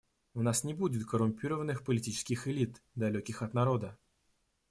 У нас не будет коррумпированных политических элит, далеких от народа.